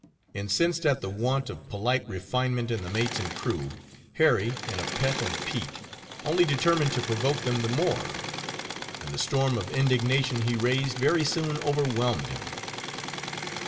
Incensed at the want of polite refinement in the mates and crew, Harry, in a pet and pique, only determined to provoke them the more; and the storm of indignation he raised very soon overwhelmed him.